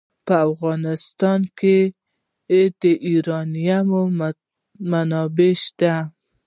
په افغانستان کې د یورانیم منابع شته.